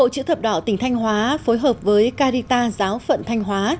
hội chữ thập đỏ tỉnh thanh hóa phối hợp với carita giáo phận thanh hóa